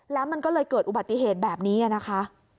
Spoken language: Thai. แล้วมันก็เลยเกิดอุบัติเหตุแบบนี้นะคะ